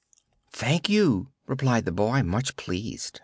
"Thank you," replied the boy, much pleased.